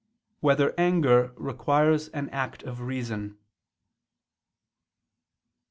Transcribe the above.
4] Whether Anger Requires an Act of Reason?